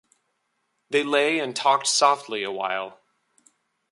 They lay and talked softly awhile.